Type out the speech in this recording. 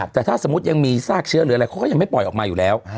แต่ถ้าสมมุติยังมีซากเชื้อหรืออะไรเขาก็ยังไม่ปล่อยออกมาอยู่แล้ว